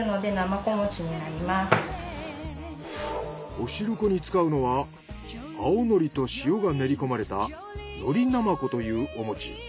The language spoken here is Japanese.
お汁粉に使うのは青海苔と塩が練り込まれた海苔なまこというお餅。